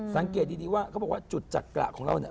สังเกตดีว่าเขาบอกว่าจุดจักรของเราเนี่ย